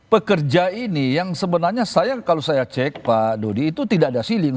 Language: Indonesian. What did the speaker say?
pekerja ini yang sebenarnya saya kalau saya cek pak dodi itu tidak ada healing